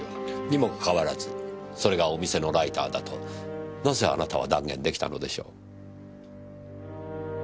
にもかかわらずそれがお店のライターだとなぜあなたは断言できたのでしょう？